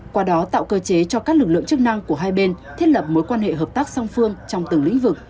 qua đó tạo cơ chế cho các lực lượng chức năng của hai bên thiết lập mối quan hệ hợp tác song phương trong từng lĩnh vực